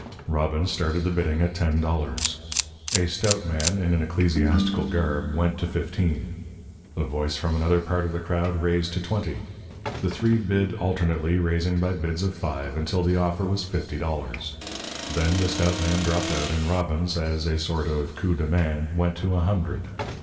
Robbins started the bidding at ten dollars. A stout man, in an ecclesiastical garb, went to fifteen. A voice from another part of the crowd raised to twenty. The three bid alternately, raising by bids of five, until the offer was fifty dollars. Then the stout man dropped out, and Robbins, as a sort of coup de main, went to a hundred.